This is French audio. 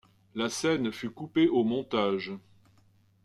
La scène fut coupée au montage.